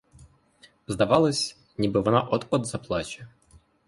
Здавалось, ніби вона от-от заплаче.